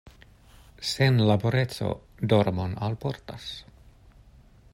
Senlaboreco dormon alportas.